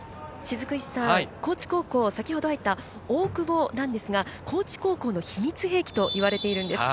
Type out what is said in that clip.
高知高校、先ほど入った大久保ですが、高知高校の秘密兵器と言われてます。